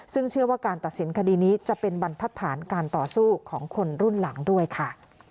ซึ่งเชื่อว่าการตัดสินคดีนี้จะเป็นบรรทัศนการต่อสู้ของคนรุ่นหลังด้วยค่ะ